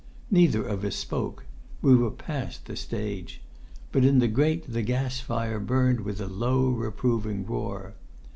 Neither of us spoke; we were past the stage; but in the grate the gas fire burnt with a low reproving roar.